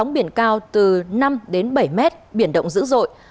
biển cao từ năm đến bảy m biển động dữ dội